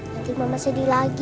nanti mama sedih lagi